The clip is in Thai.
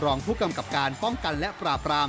รองผู้กำกับการป้องกันและปราบราม